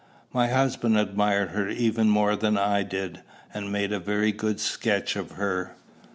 My husband admired her even more than I did, and made a very good sketch of her.